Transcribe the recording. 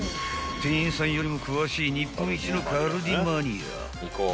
［店員さんよりも詳しい日本一のカルディマニア］